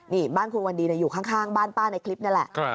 นี่บ้านคุณวันดีอยู่ข้างบ้านป้าในคลิปนั่นแหละ